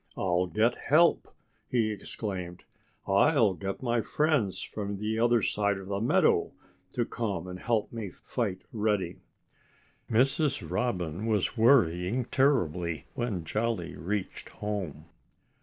"I'll get help!" he exclaimed. "I'll get my friends from the other side of the meadow to come and help me fight Reddy." Mrs. Robin was worrying terribly when Jolly reached home.